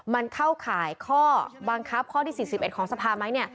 มันเข้าข่ายข้อบังคับข้อที่๔๑ของสภาไหม